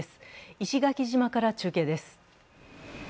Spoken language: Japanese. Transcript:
石垣島から中継です。